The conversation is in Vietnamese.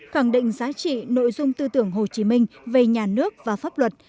khẳng định giá trị nội dung tư tưởng hồ chí minh về nhà nước và pháp luật